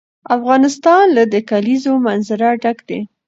افغانستان له د کلیزو منظره ډک دی.